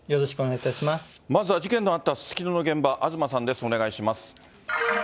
まずは事件のあったすすきのの現場、東さんです、お願いします。